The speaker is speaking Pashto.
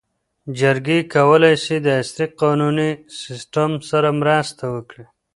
جرګې کولی سي د عصري قانوني سیسټم سره مرسته وکړي.